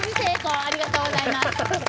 ありがとうございます。